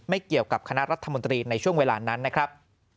เกี่ยวกับคณะรัฐมนตรีในช่วงเวลานั้นนะครับ